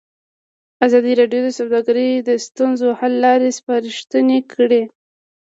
ازادي راډیو د سوداګري د ستونزو حل لارې سپارښتنې کړي.